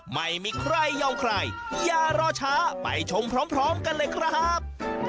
ไม่มีใครยอมใครอย่ารอช้าไปชมพร้อมกันเลยครับ